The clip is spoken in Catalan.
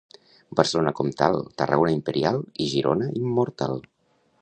Barcelona comtal, Tarragona imperial i Girona immortal.